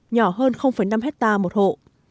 nhỏ hơn năm hectare một hộ